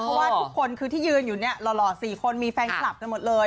เพราะว่าทุกคนคือที่ยืนอยู่เนี่ยหล่อ๔คนมีแฟนคลับกันหมดเลย